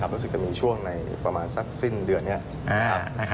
รู้สึกจะมีช่วงในประมาณสักสิ้นเดือนนี้